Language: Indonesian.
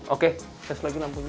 oke tes lagi lampunya